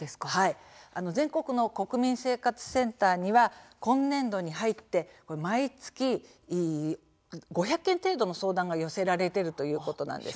全国の国民生活センターには今年度に入って毎月５００件程度の相談が寄せられています。